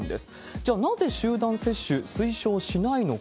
じゃあ、なぜ集団接種、推奨しないのか。